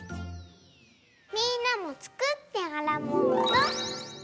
みんなも作ってアラモード！